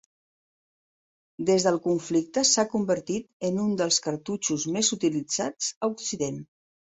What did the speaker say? Des del conflicte s'ha convertit en un dels cartutxos més utilitzats a Occident.